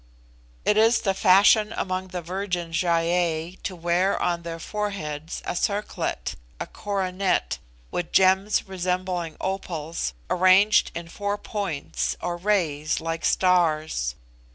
It is the fashion among the virgin Gy ei to wear on their foreheads a circlet, or coronet, with gems resembling opals, arranged in four points or rays like stars.